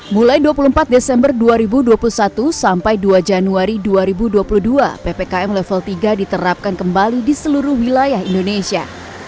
mulai dua puluh empat desember dua ribu dua puluh satu sampai dua januari dua ribu dua puluh dua ppkm level tiga diterapkan kembali di seluruh wilayah indonesia